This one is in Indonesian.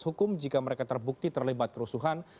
hukum jika mereka terbukti terlibat kerusuhan